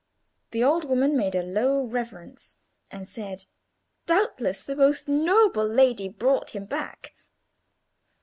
The old woman made a low reverence, and said— "Doubtless the most noble lady brought him back."